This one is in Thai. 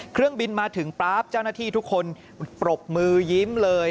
เครื่องบินมาถึงปั๊บเจ้าหน้าที่ทุกคนปรบมือยิ้มเลย